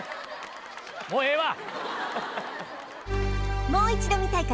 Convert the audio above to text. もうええわ